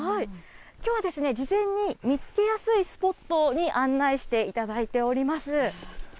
きょうは、事前に見つけやすいスポットに案内していただいております。